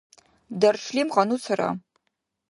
даршлим гъану цара